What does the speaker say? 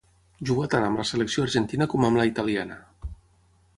Jugà tant amb la selecció argentina com amb la italiana.